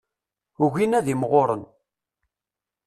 Ugin ad imɣuren.